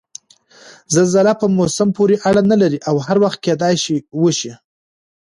زلزله په موسم پورې اړنه نلري او هر وخت کېدای شي وشي؟